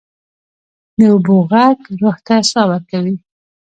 د اوبو ږغ روح ته ساه ورکوي.